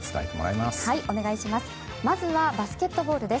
まずはバスケットボールです。